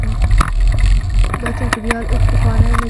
دا چاپیریال اوس پخوانی نه دی.